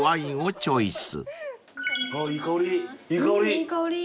あいい香り。